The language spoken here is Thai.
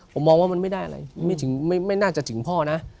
ผมมองว่ามันไม่ได้อะไรไม่น่าจะถึงพ่อนะ